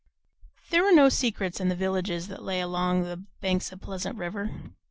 There were no secrets in the villages that lay along the banks of Pleasant River.